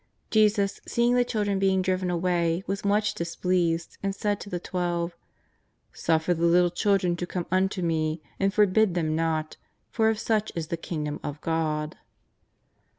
Jesus, seeing the children beirg driven away, was much displeased and said to the Twelve: ^' Suffer the little children to come unto Me and for bid them not, for of such is the Kingdom of God."